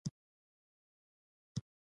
پر دیوالونو او سټیج تت څراغونه بل وو.